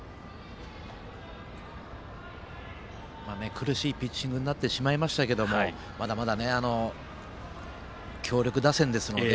苦しいピッチングになってしまいましたけどもまだまだ強力打線ですので。